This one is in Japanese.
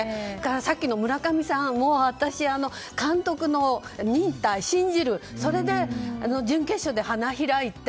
さっきの村上さんも私、監督の忍耐、信じるそれで準決勝で花開いて。